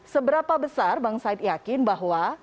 seberapa besar bang said yakin bahwa